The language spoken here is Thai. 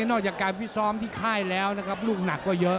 นอกจากการฟิตซ้อมที่ค่ายแล้วนะครับลูกหนักก็เยอะ